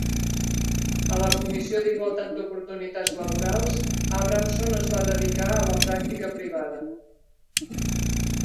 A la Comissió d'Igualtat d'Oportunitats Laborals, Abramson es va dedicar a la pràctica privada.